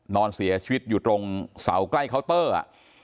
นอนเสียชีวิตอยู่ตรงเสาใกล้เคาน์เตอร์